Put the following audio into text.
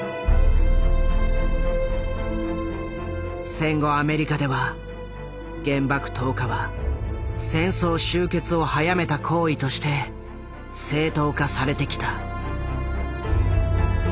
戦後アメリカでは原爆投下は戦争終結を早めた行為として正当化されてきた。